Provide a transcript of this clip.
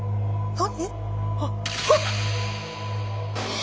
何！？